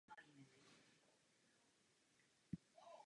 To samé chtějí občané Irska.